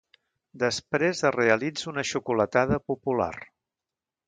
Després es realitza una xocolatada popular.